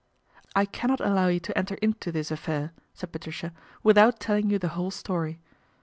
" I cannot allow you to enter into this affair/' said Patricia, " without telling you the whole story.